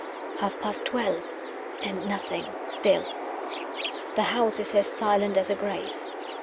Half past twelve and nothing still. The house is as silent as the grave.